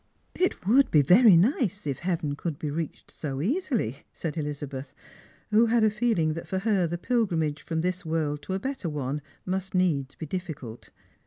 " It would be very nice if heaven could be reached so easily," said Elizabeth, who had a feeling that for her the pilgrimage from this world tr a better one must needs be difiicult.